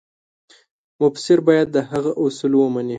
مفسر باید هغه اصول ومني.